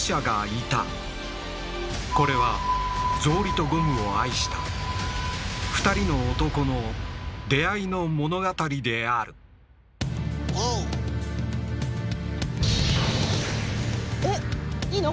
これは草履とゴムを愛した２人の男の「出会い」の物語であるえっいいの？